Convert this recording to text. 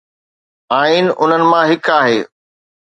آئين انهن مان هڪ آهي.